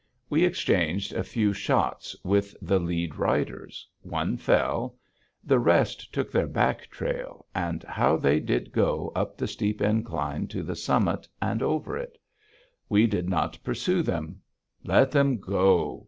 We exchanged a few shots with the lead riders; one fell; the rest took their back trail, and how they did go up the steep incline to the summit, and over it. We did not pursue them: "Let them go!"